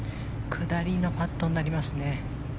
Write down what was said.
下りのパットになりますね。